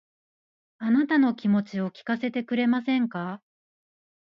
あなたの気持ちを聞かせてくれませんか